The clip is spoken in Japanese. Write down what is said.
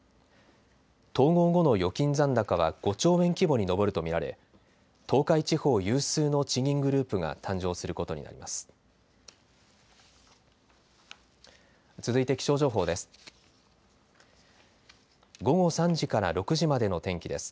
統合後の預金残高は５兆円規模に上ると見られ東海地方有数の地銀グループが誕生することになります。